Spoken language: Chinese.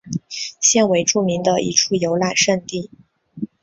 现为著名的一处游览胜地。